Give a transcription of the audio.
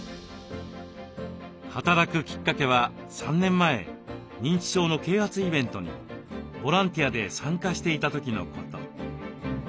働くきっかけは３年前認知症の啓発イベントにボランティアで参加していた時のこと。